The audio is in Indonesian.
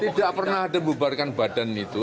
tidak pernah ada membubarkan badan itu